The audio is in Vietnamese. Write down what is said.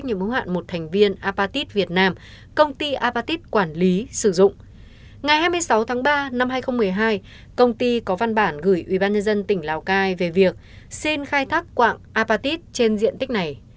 ngày hai mươi sáu tháng ba năm hai nghìn một mươi hai công ty có văn bản gửi ubnd tỉnh lào cai về việc xin khai thác quạng apatit trên diện tích này